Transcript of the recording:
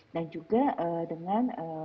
dan juga dengan